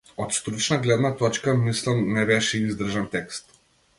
Од стручна гледна точка, мислам, не беше издржан текст.